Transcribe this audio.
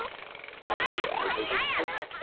早く早く！